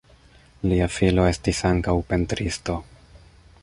Lia filo estis ankaŭ pentristo.